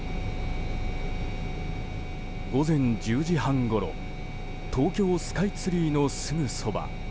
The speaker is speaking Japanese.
午前１０時半ごろ東京スカイツリーのすぐそば。